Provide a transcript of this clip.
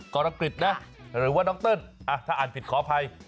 กรกฤษนะหรือว่าน้องเติ้ลถ้าอ่านผิดขออภัย